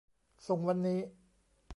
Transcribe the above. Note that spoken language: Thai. ส่งวันนี้